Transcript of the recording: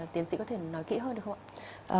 tiến sĩ có thể nói cho chúng ta